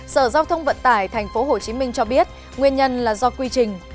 sở giao thông vận tải tp hcm cho biết nguyên nhân là do quy trình